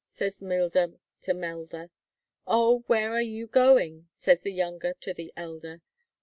says Mil der to Mel der, O! where are you go ing? says the youn ger to the el der; O!